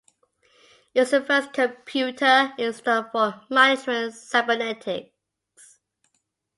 It was the first computer installed for management cybernetics.